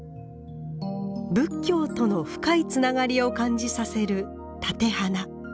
仏教との深いつながりを感じさせる立て花。